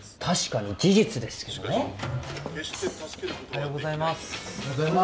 確かに事実ですけどね。